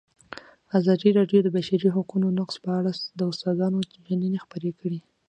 ازادي راډیو د د بشري حقونو نقض په اړه د استادانو شننې خپرې کړي.